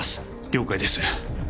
了解です。